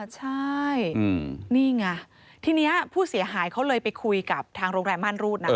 ใช่นี่ไงทีนี้ผู้เสียหายเขาเลยไปคุยกับทางโรงแรมม่านรูดนะ